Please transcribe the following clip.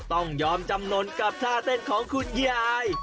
ต้องยอมจำนวนกับท่าเต้นของคุณยาย